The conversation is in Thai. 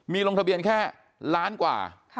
มีลงทะเบียนแค่ล้านกว่า